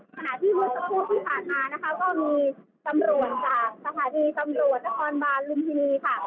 ขณะที่เมื่อสักครู่ที่ผ่านมานะคะก็มีตำรวจจากสถานีตำรวจนครบานลุมพินีค่ะ